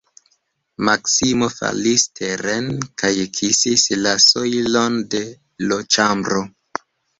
Maksimo falis teren kaj kisis la sojlon de l' ĉambro.